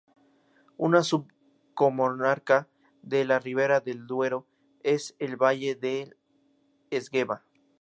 Una subcomarca de la Ribera del Duero es el Valle del Esgueva.